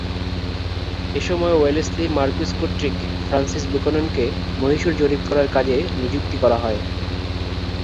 এ সময় ওয়েলেসলির মার্কুইস কর্তৃক ফ্রান্সিস বুকাননকে মহীশুর জরিপ করার কাজে নিযুক্তি করা হয়।